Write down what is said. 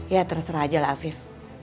ya terserah aja lah afif